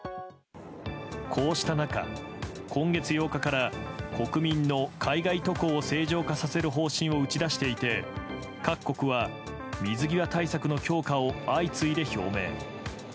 こうした中、今月８日から海外渡航を正常化させる方針を打ち出していて各国は水際対策の強化を相次いで表明。